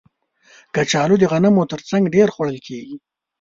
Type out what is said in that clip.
کچالو د غنمو تر څنګ ډېر خوړل کېږي